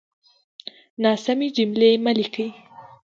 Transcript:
ناسمې جملې مه ليکئ!